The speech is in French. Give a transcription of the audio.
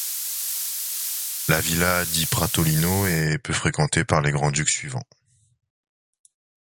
La villa di Pratolino est peu fréquentée par les grand-ducs suivants.